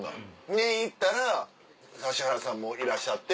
で行ったら指原さんもいらっしゃって。